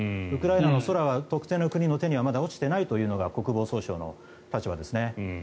ウクライナの空は特定の国の手にはまだ落ちていないというのが国防総省の立場ですね。